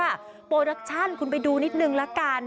การโพรดักชันคุณไปดูนิดนึงละการ